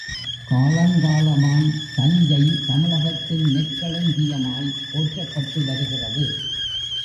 காலங்காலமாய் தஞ்சை தமிழகத்தின் நெற்களஞ்சியமாய் போற்றப்பட்டு வருகிறது.